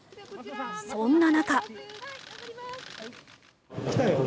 そんな中。